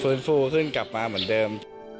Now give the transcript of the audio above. ฟูขึ้นกลับมาเหมือนเดิม